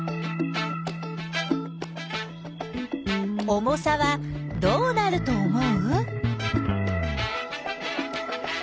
重さはどうなると思う？